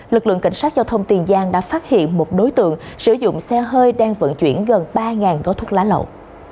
lực lượng cảnh sát giao thông tiền giang đã phát hiện một đối tượng sử dụng xe hơi đang vận chuyển gần ba gói thuốc lá lậu